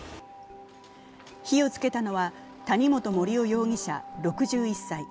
火をつけたのは谷本盛雄容疑者６１歳。